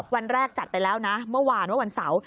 วันแรกจัดไปแล้วนะเมื่อวานว่าวันเสาร์